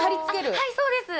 はいそうです。